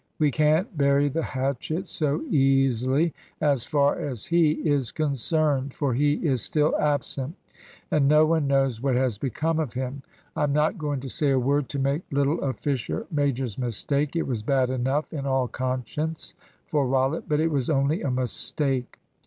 We can't bury the hatchet so easily, as far as he is concerned. For he is still absent, and no one knows what has become of him. I'm not going to say a word to make little of Fisher's major's mistake. It was bad enough, in all conscience, for Rollitt. But it was only a mistake.